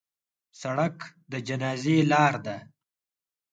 سړک د جنازې لار ده.